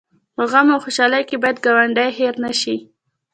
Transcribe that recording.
په غم او خوشحالۍ کې باید ګاونډی هېر نه شي